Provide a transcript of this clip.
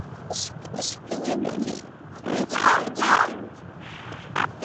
এটি একটি সতর্কবার্তা, সুতরাং সামনের ম্যাচগুলোতে ভালো করার চাপটা ভালোই জেঁকে বসেছে।